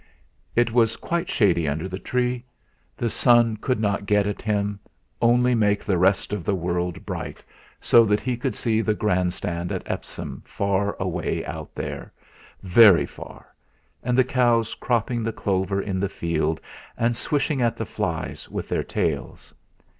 It was quite shady under the tree; the sun could not get at him, only make the rest of the world bright so that he could see the Grand Stand at Epsom away out there, very far, and the cows cropping the clover in the field and swishing at the flies with their tails.